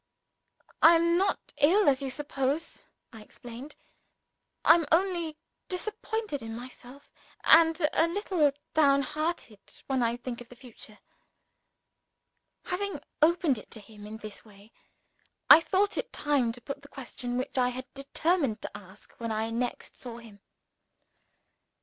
"I am not ill as you suppose," I explained. "I am only disappointed in myself, and a little downhearted when I think of the future." Having opened it to him in this way, I thought it time to put the question which I had determined to ask when I next saw him.